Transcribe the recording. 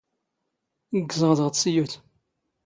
ⴳⴳⵣⵖ ⴷ ⵖ ⵜⵙⵢⵓⵜ.